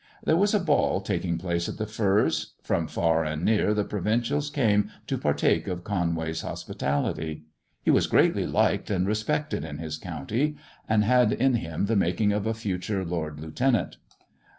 There was a ball taking place at The Firs. From far and near the provincials came to partake of Conwa/a hospitality. He was greatly liked and respected in his county, and had in him the making of a future Lord Lieutenant.